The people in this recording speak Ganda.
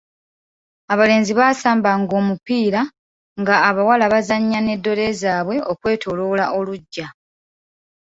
Abalenzi baasamba ng'omupiira nga abawala baazanyanga ne ddole zaabwe okwetolola olugya.